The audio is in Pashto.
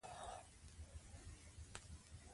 د ټولنې په خدمت کې یې ولګوئ.